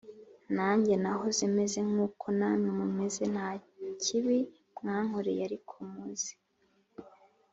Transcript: Nanjye nahoze meze nk uko namwe mumeze nta kibi mwankoreye ariko muzi